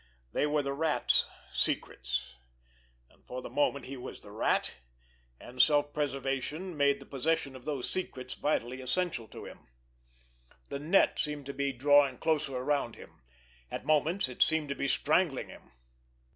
They were the Rat's secrets; and for the moment he was the Rat, and self preservation made the possession of those secrets vitally essential to him. The net seemed to be drawing closer around him; at moments it seemed to be strangling him.